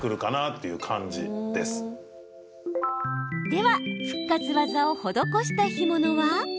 では、復活ワザを施した干物は？